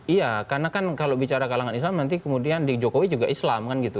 iya karena kan kalau bicara kalangan islam nanti kemudian di jokowi juga islam kan gitu